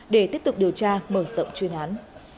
để tiếp tục điều tra mở rộng chuyên án